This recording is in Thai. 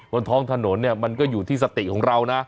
บนท้องถนนเนี่ยมันก็อยู่ที่สติของเรานะ